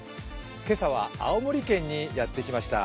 今朝は青森県にやって来ました。